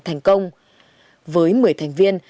thành công với một mươi thành viên